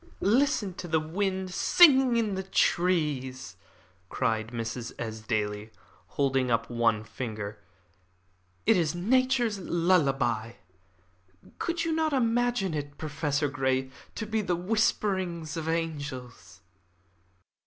"Listen to the wind sighing in the trees!" cried Mrs. Esdaile, holding up one finger. "It is Nature's lullaby. Could you not imagine it, Professor Grey, to be the whisperings of angels?"